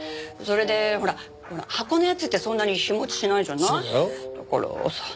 それでほら箱のやつってそんなに日持ちしないじゃない？